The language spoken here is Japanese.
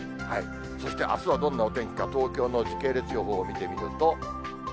そして、あすはどんなお天気か、東京の時系列予報を見てみると。